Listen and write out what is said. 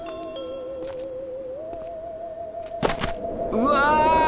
うわ！